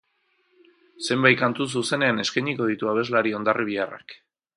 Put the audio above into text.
Zenbait kantu zuzenean eskainiko ditu abeslari hondarribiarrak.